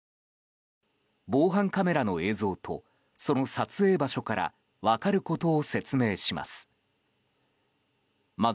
防犯カメラの映像とその撮影場所から分かることを説明します。